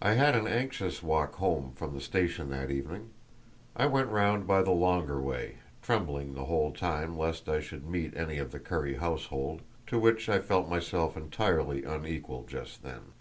I had an anxious walk home from the station that evening; I went round by the longer way, trembling the whole time lest I should meet any of the Currie household, to which I felt myself entirely unequal just then.